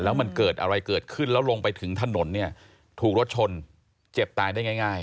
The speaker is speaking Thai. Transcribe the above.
แล้วมันเกิดอะไรเกิดขึ้นแล้วลงไปถึงถนนเนี่ยถูกรถชนเจ็บตายได้ง่าย